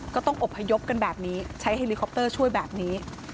ก็ต้องอบพยพกันแบบนี้ใช้เฮลิคอปเตอร์ช่วยแบบนี้